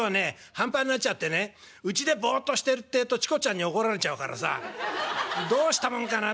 半端になっちゃってねうちでぼっとしてるってえとチコちゃんに怒られちゃうからさどうしたもんかなと思って。